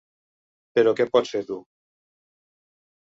Però què pots fer tu?